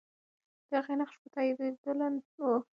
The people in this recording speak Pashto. د هغې نقش به تاییدېدلی وو.